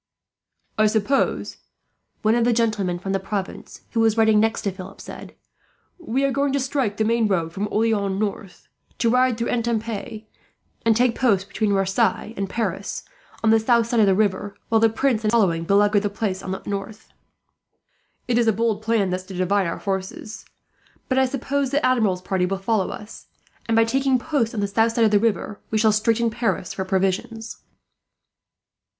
"I suppose," one of the gentlemen from the province, who was riding next to Philip, said, "we are going to strike the main road from Orleans north; to ride through Etampes, and take post between Versailles and Paris on the south side of the river; while the Prince and his following beleaguer the place on the north. It is a bold plan thus to divide our forces, but I suppose the Admiral's party will follow us and, by taking post on the south side of the river, we shall straiten Paris for provisions."